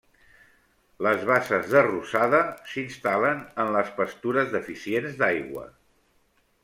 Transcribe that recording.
Les basses de rosada s'instal·len en les pastures deficients d'aigua.